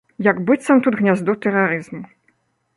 Як быццам тут гняздо тэрарызму.